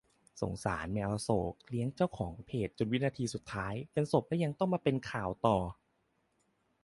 "สงสารแมวอโศก เลี้ยงเจ้าของเพจจนวินาทีสุดท้าย เป็นศพแล้วยังต้องมาเป็นข่าวต่อ"